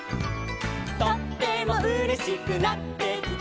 「とってもうれしくなってきた」